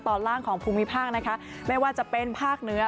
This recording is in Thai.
ตอนล่างของภูมิภาคนะคะไม่ว่าจะเป็นภาคเหนือ